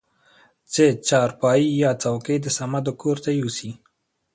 چې چارپايي د صمدو کورته يوسې؟